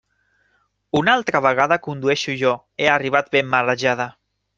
Una altra vegada condueixo jo; he arribat ben marejada.